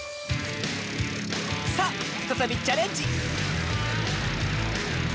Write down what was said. さあふたたびチャレンジ！